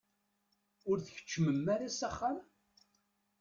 Ur tkeččmem ara s axxam?